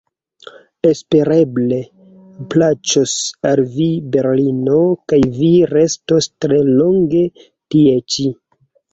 Espereble plaĉos al vi berlino kaj vi restos tre longe tie ĉi.